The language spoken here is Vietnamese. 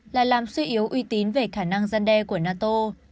là làm suy yếu uy tín về khả năng gian đe của nato